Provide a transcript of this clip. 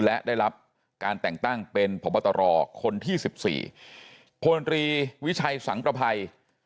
และได้รับการแต่งตั้งเป็นพบตรคนที่๑๔พลตรีวิชัยสังประภัย